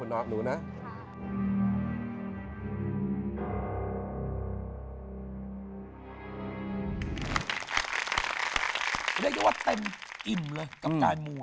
เรียกว่าเต็มกับจานมู